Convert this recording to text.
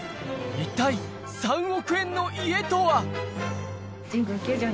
一体３億円の家とは？